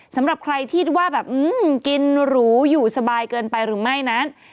สำหรับใครที่ว่าแบบกินหรูอยู่สบายเกินไปหรือไม่นั้น